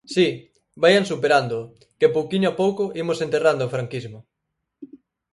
Si, vaian superándoo, que pouquiño a pouco imos enterrando o franquismo.